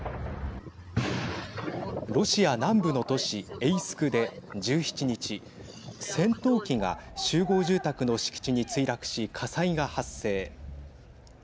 ロシア南部の都市エイスクで１７日、戦闘機が集合住宅の敷地に墜落し火災が発生。